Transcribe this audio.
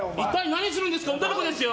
何するんですか女の子ですよ。